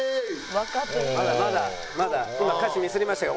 まだまだまだ今歌詞ミスりましたよ。